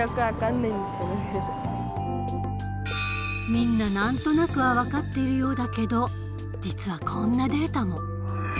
みんな何となくは分かっているようだけど実はこんなデータも。